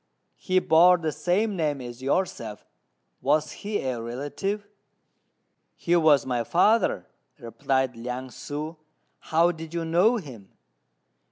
He bore the same name as yourself; was he a relative?" "He was my father," replied Liang ssŭ; "how did you know him?"